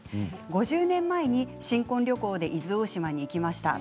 ５０年前に新婚旅行で伊豆大島に行きました。